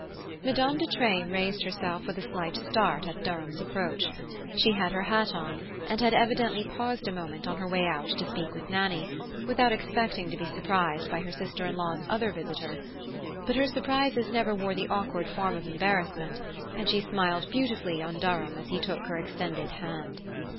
Madame de Treymes raised herself with a slight start at Durham's approach: she had her hat on, and had evidently paused a moment on her way out to speak with Nannie, without expecting to be surprised by her sister in law's other visitor. But her surprises never wore the awkward form of embarrassment, and she smiled beautifully on Durham as he took her extended hand.